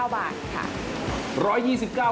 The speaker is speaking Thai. ๑๒๙บาทค่ะ